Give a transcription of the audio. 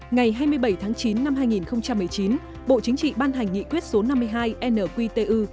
ngày hai mươi bảy tháng chín năm hai nghìn một mươi chín bộ chính trị ban hành nghị quyết số năm mươi hai nqtu